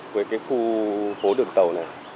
với cái khu phố đường tàu này